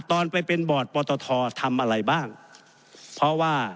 ตอนไปเป็นบอร์ดปอตททำอะไรบ้างเพราะว่า